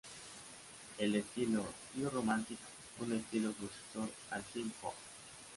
El estilo "New Romantic" fue un estilo sucesor al "synth pop".